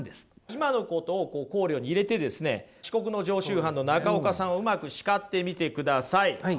今のことを考慮に入れてですね遅刻の常習犯の中岡さんをうまく叱ってみてください。